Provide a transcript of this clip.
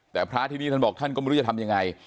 แต่พระที่นี่ท่านบอกท่านก็ไม่รู้จะทำยังไง